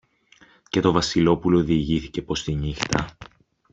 Και το Βασιλόπουλο διηγήθηκε πως τη νύχτα